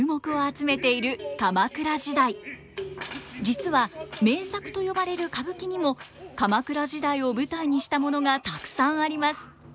実は名作と呼ばれる歌舞伎にも鎌倉時代を舞台にしたものがたくさんあります。